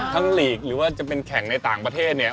ลีกหรือว่าจะเป็นแข่งในต่างประเทศเนี่ย